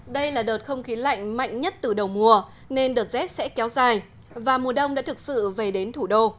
đây là đợt không khí lạnh mạnh nhất từ đầu mùa nên đợt rét sẽ kéo dài và mùa đông đã thực sự về đến thủ đô